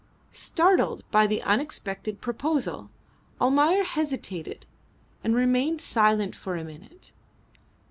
Startled by the unexpected proposal, Almayer hesitated, and remained silent for a minute.